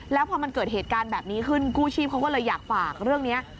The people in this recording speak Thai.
แล้วพอมันเกิดเหตุการณ์แบบนี้ขึ้นกู้ชีพเขาก็เลยอยากฝากเรื่องนี้